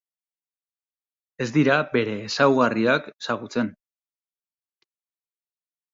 Ez dira bere ezaugarriak ezagutzen.